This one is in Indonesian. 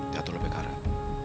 dato lebih karet